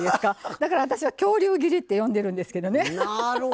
だから、私は恐竜切りって呼んでるんですけどね。